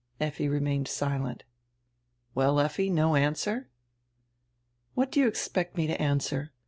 Effi remained silent. "Well, Effi; no answer?" "What do you expect me to answer?